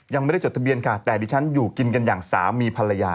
ยังไม่ได้จดทะเบียนค่ะแต่ดิฉันอยู่กินกันอย่างสามีภรรยา